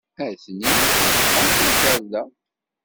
Atni deg texxamt n tarda.